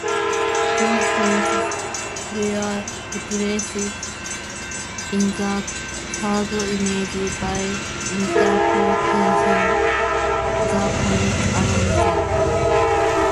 Those points were replaced, in the third image, by interpolating the points around them.